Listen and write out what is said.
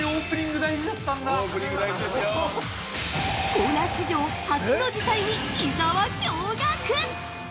◆コーナー史上初の事態に伊沢、驚愕！